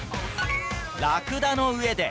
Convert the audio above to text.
ラクダの上で。